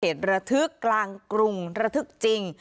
เหตุระทึกกลางกรุงระทึกจริง